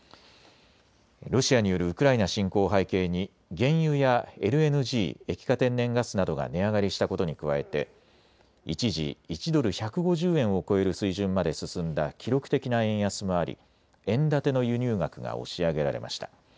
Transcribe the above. ロシアによるウクライナ侵攻を背景に原油やＬＮＧ・液化天然ガスなどが値上がりしたことに加えて一時、１ドル１５０円を超える水準まで進んだ記録的な円安もあり、円建ての輸入額が押し上げられました。